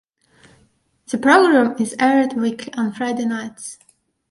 The programme is aired weekly on Friday nights.